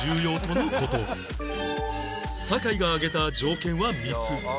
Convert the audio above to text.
坂井が挙げた条件は３つ